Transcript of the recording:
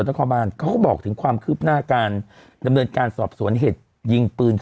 นั่นคืออีกกรณีนึง